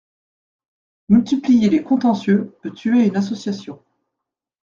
Multiplier les contentieux peut tuer une association.